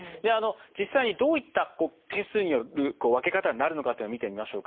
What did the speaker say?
実際にどういった点数による分け方になるのかっていうのを見てみましょうか。